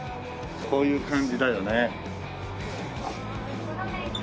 こういう感じだよね。